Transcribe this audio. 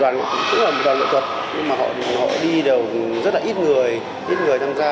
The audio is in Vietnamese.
đoàn cũng là một đoàn nghệ thuật nhưng mà họ đi đều rất là ít người ít người tham gia